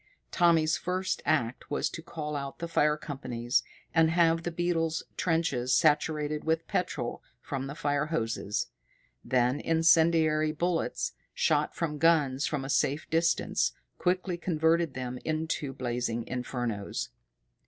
Tommy's first act was to call out the fire companies and have the beetles' trenches saturated with petrol from the fire hoses. Then incendiary bullets, shot from guns from a safe distance, quickly converted them into blazing infernos.